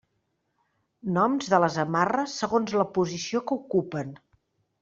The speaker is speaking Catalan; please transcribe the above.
Noms de les amarres segons la posició que ocupen.